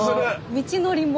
道のりも。